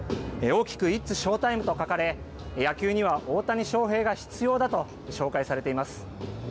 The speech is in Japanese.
大きくイッツ・ショータイムと書かれ、野球には大谷翔平が必要だと紹介されています。